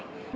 rất là trẻ